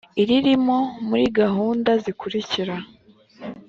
iririmo muri gahunda zikurikira